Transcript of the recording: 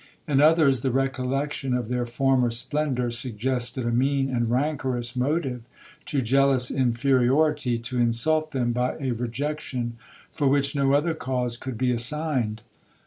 In others the recollection of their former splendour, suggested a mean and rancorous motive to jealous inferiority to insult them by a rejection, for which no other cause could be assigned.